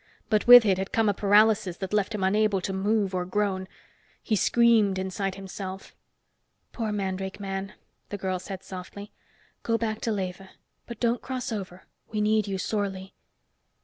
But with it had come a paralysis that left him unable to move or groan. He screamed inside himself. "Poor mandrake man," the girl said softly. "Go back to Lethe. But don't cross over. We need you sorely."